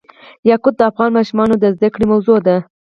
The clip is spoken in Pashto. یاقوت د افغان ماشومانو د زده کړې موضوع ده.